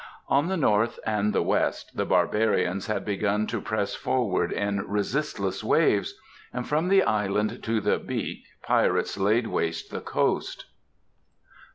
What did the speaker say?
On the north and the west the barbarians had begun to press forward in resistless waves, and from The Island to The Beak pirates laid waste the coast.